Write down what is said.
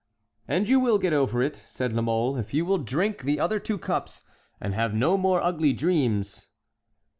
"And you will get over it," said La Mole, "if you will drink the other two cups, and have no more ugly dreams."